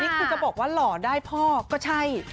ครูจะบอกว่าหล่อได้พ่อก็ใช่